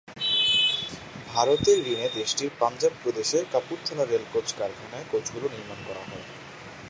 ভারতের ঋণে দেশটির পাঞ্জাব প্রদেশের কাপুরথালা রেলকোচ কারখানায় কোচগুলো নির্মাণ করা হয়।